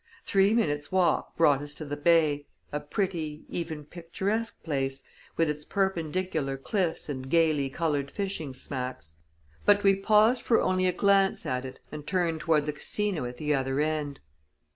Three minutes' walk brought us to the bay, a pretty, even picturesque place, with its perpendicular cliffs and gayly colored fishing smacks. But we paused for only a glance at it, and turned toward the Casino at the other end.